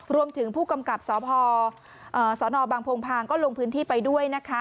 รวมถึงผู้กำกับสพสนบางโพงพางก็ลงพื้นที่ไปด้วยนะคะ